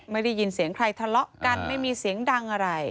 ไม่ได้ยินเสียงใครทะเลาะกันไม่มีเสียงดังอะไร